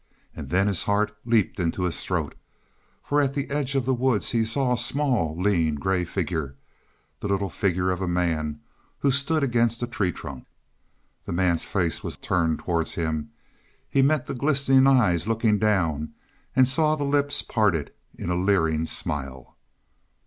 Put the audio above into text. And then his heart leaped into his throat, for at the edge of the woods he saw a small, lean, gray figure the little figure of a man who stood against a tree trunk. The man's face was turned towards him; he met the glistening eyes looking down and saw the lips parted in a leering smile.